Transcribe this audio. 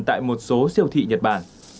tại một số siêu thị nhật bản